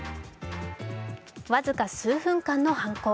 僅か数分間の犯行。